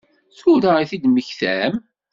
Tura i t-id-temmektam?